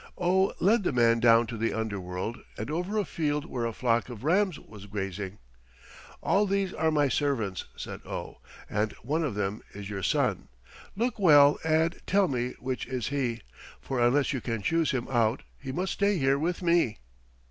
Oh led the man down to the underworld and over to a field where a flock of rams was grazing. "All these are my servants," said Oh, "and one of them is your son. Look well and tell me which is he, for unless you can choose him out he must stay here with me."